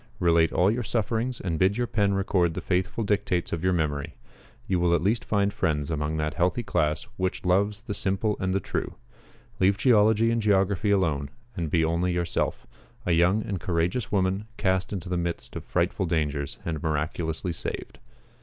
Relate all your sufferings, and bid your pen record the faithful dictates of your memory. You will at least find friends among that healthy class which loves the simple and the true. Leave geology and geography alone, and be only yourself a young and courageous woman, cast into the midst of frightful dangers, and miraculously saved.